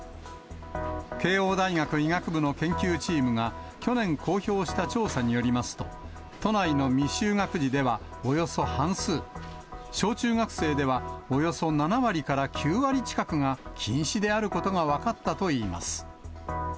慶応大学医学部の研究チームが、去年公表した調査によりますと、都内の未就学児ではおよそ半数、小中学生ではおよそ７割から９割近くが、近視であることが分かったといいます。